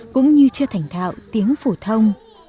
cũng như chưa thảnh thạo tiếng phổ thông